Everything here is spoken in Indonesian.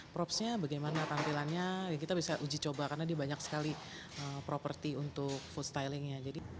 propsnya bagaimana tampilannya kita bisa uji coba karena dia banyak sekali properti untuk food stylingnya